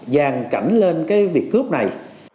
dàn cảnh lên cái việc cướp này